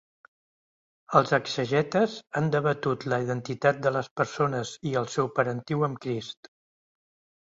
Els exegetes han debatut la identitat de les persones i el seu parentiu amb Crist.